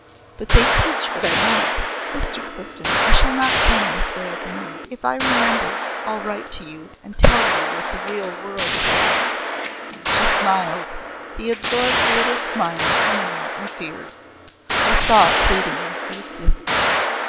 But they teach what I want. Mr. Clifden, I shall not come this way again. If I remember I'll write to you, and tell you what the real world is like." She smiled, the absorbed little smile I knew and feared. I saw pleading was useless then.